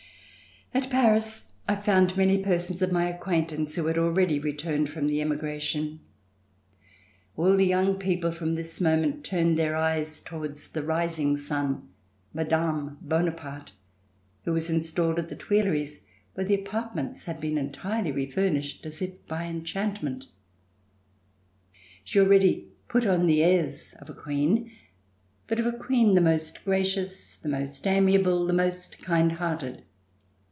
At Paris I found many persons of my acquaintance who had already returned from the emigration. All the young people from this moment turned their eyes towards the rising sun, Mme. Bonaparte, who was installed at the Tuileries, where the apartments had been entirely refurnished as if by enchantment. She already put on the airs of a queen, but of a queen the most gracious, the most amiable, the most kind hearted.